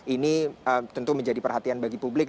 ini tentu menjadi perhatian bagi publik